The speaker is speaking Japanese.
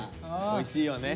おいしいよね。